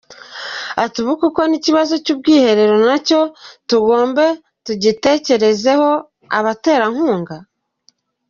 Ati “Ubu koko n’ikibazo cy’ubwiherero na cyo tugombe kugitegerezaho abaterankunga?